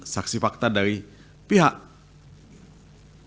saksi fakta dari pihak tidak akan mengatakan a